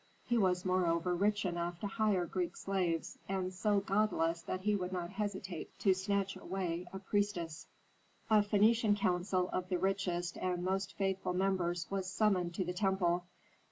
He was moreover rich enough to hire Greek slaves, and so godless that he would not hesitate to snatch away a priestess. A Phœnician council of the richest and most faithful members was summoned to the temple.